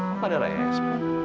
apa ada raya es